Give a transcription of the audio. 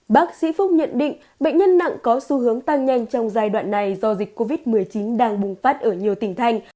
bác sĩ phúc nhận định bệnh nhân nặng có xu hướng tăng nhanh trong giai đoạn này do dịch covid một mươi chín đang bùng phát ở nhiều tỉnh thành